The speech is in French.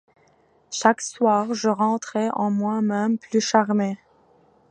Chaque soir, je rentrais en moi-même plus charmé